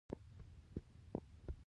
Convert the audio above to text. زه پناه غواړم په الله د شيطان رټلي شوي نه